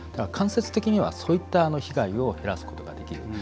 間接的には、そういった被害を減らすことができる。